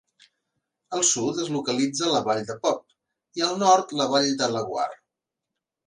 Al sud es localitza la Vall de Pop, i al nord la Vall de Laguar.